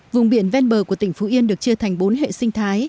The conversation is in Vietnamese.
vùng biển ven bờ của tỉnh phú yên được chia thành bốn hệ sinh thái